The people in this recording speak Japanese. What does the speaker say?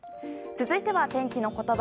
続いては、天気のことば。